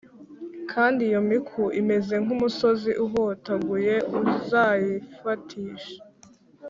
Kandi Iyo Miku Imeze Nk Umugozi Uhotaguye Uzayifatishe